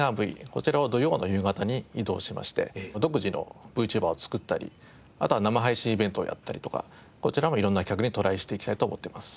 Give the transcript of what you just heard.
こちらを土曜の夕方に移動しまして独自のＶＴｕｂｅｒを作ったりあとは生配信イベントをやったりとかこちらも色んな企画にトライしていきたいと思っています。